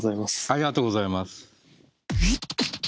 ありがとうございます。